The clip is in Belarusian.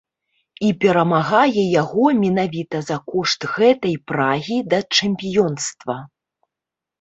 І перамагае яго менавіта за кошт гэтай прагі да чэмпіёнства.